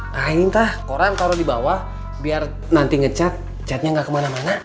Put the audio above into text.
nah ini tah koran taruh di bawah biar nanti ngecat catnya nggak kemana mana